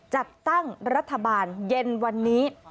จัดตั้งรัฐบาลเย็นวันนี้